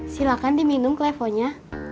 silakan diminum klevonya